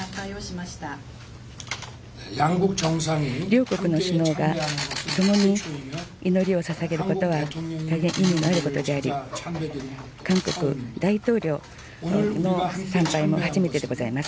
両国の首脳が共に祈りをささげることは大変意味のあることであり、韓国大統領の参拝も初めてでございます。